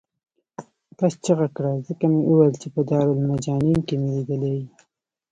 کس چغه کړه ځکه مې وویل چې په دارالمجانین کې مې لیدلی یې.